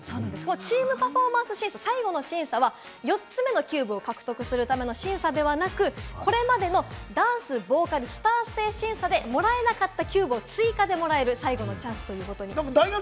チーム・パフォーマンス審査、最後の審査は４つ目のキューブを獲得するための審査ではなく、これまでのダンス、ボーカル、スター性審査でもらえなかったキューブを追加でもらえる最後のチャンスということに。